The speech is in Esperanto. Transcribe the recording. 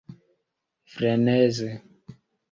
freneze